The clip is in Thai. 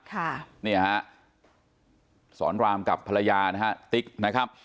ค่ะเนี่ยฮะสอนรามกับภรรยานะฮะติ๊กนะครับ